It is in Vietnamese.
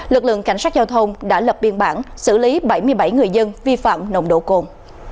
lực lượng cảnh sát giao thông đã lập biên bản xử lý bảy mươi bảy người dân vi phạm nồng độ cồn